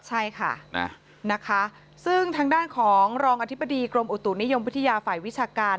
ใช่ค่ะนะคะซึ่งทางด้านของรองอธิบดีกรมอุตุนิยมวิทยาฝ่ายวิชาการ